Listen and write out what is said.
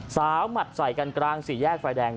หมัดใส่กันกลางสี่แยกไฟแดง